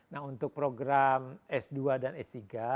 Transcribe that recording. nah untuk program s dua dan s tiga